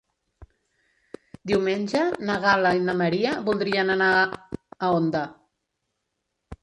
Diumenge na Gal·la i na Maria voldrien anar a Onda.